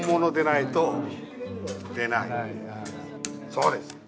そうです！